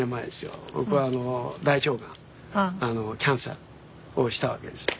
僕はあの大腸がんキャンサーをしたわけですよ。